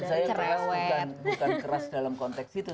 maksud saya keras bukan keras dalam konteks itu